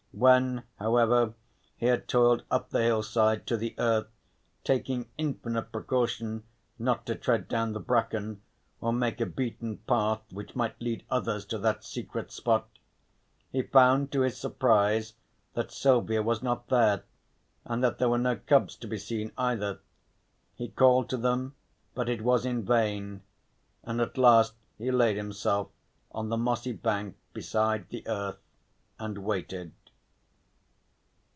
When, however, he had toiled up the hillside, to the earth, taking infinite precaution not to tread down the bracken, or make a beaten path which might lead others to that secret spot, he found to his surprise that Silvia was not there and that there were no cubs to be seen either. He called to them, but it was in vain, and at last he laid himself on the mossy bank beside the earth and waited.